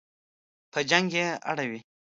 په جنګ یې اړوي.